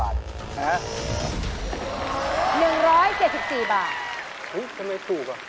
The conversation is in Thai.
๑๗๔บาทเฮ้ยทำไมถูกอ่ะ